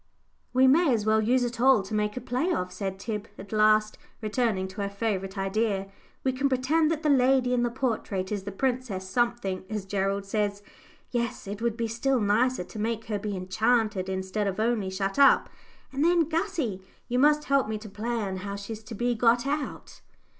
"We may as well use it all to make a play of," said Tib, at last, returning to her favourite idea. "We can pretend that the lady in the portrait is the princess something, as Gerald says. Yes, it would be still nicer to make her be enchanted instead of only shut up, and then, Gussie, you must help me to plan how she's to be got out."